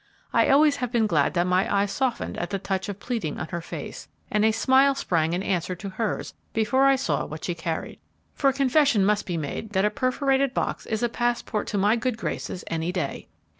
I always have been glad that my eyes softened at the touch of pleading on her face, and a smile sprang in answer to hers before I saw what she carried. For confession must be made that a perforated box is a passport to my good graces any day.